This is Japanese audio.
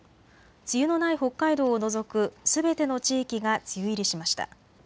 梅雨のない北海道を除くすべての地域が梅雨入りしました。